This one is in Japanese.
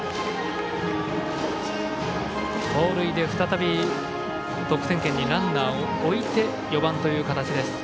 盗塁で再び得点圏にランナーを置いて４番という形です。